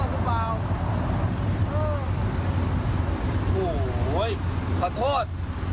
โหขอโทษ